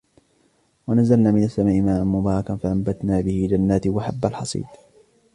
ونزلنا من السماء ماء مباركا فأنبتنا به جنات وحب الحصيد